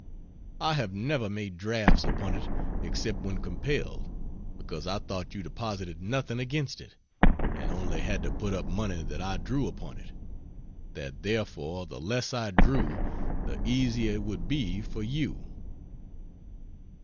I have never made drafts upon it except when compelled, because I thought you deposited nothing against it, and only had to put up money that I drew upon it; that therefore the less I drew the easier it would be for you.